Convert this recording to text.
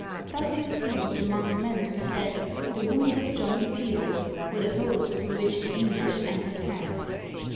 Thus you see what the monk meant, who said, "The wounds of John the Fear less were the holes through which the English entered France